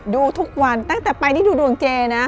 ดูทุกวันตั้งแต่ไปนี่ดูดวงเจนะ